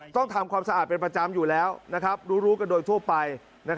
ต้องทำความสะอาดเป็นประจำอยู่แล้วรู้กันโดยทั่วไป